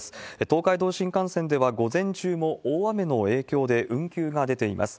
東海道新幹線では、午前中も大雨の影響で運休が出ています。